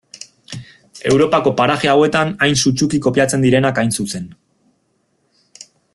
Europako paraje hauetan hain sutsuki kopiatzen direnak hain zuzen.